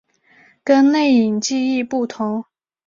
跟内隐记忆不同。